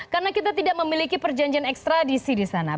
karena kita tidak memiliki perjanjian ekstradisi di sana